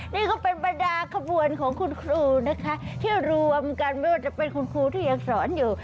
นี่ก็เป็นบรรดาขบวนของคุณครูนะคะที่รวมกันไม่ว่าจะเป็นคุณครูที่ยังสอนอยู่